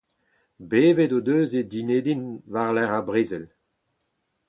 Bevet o deus e Dinedin war-lerc'h ar brezel.